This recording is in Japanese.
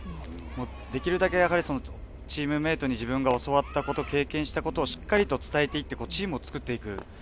できるだけチームメートに自分が教わったこと経験したことをしっかり伝えていってチームを作っていく。